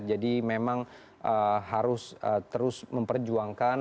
jadi memang harus terus memperjuangkan